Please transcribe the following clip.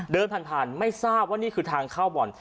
เดินผ่านไม่ทราบว่านี่คือทางเข้าบ่อน